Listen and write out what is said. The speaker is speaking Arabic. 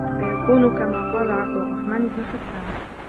فَيَكُونُ كَمَا قَالَ عَبْدُ الرَّحْمَنِ بْنُ حَسَّانَ